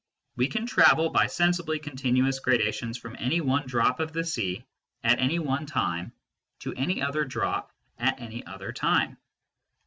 We can travel by sensibly continuous gradations from any one drop of the sea at any one time to any other drop at any other time.